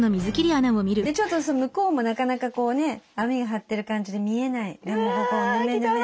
ちょっと向こうもなかなかこうね網が張ってる感じで見えないヌメヌメ。